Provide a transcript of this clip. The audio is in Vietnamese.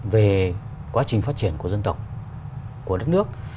về quá trình phát triển của dân tộc của đất nước